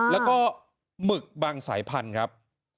แล้วก็หมึกบางสายพันธุ์ครับ